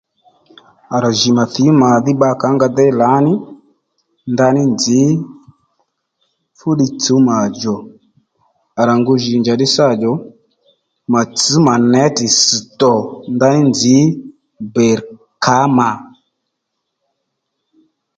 À rà jì mà thǐ mà dhí bba kà ó nga déy lǎní ndaní nzǐ fú ddiy tsùw màdjò à ra ngu djì ndàddí sâ dho mà tsǐ mà netì tss̀ tò ndaní nzǐ bèr kǎ mà